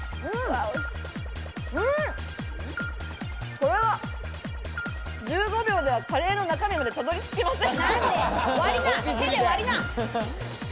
これは１５秒ではカレーの中身まで、たどり着きません。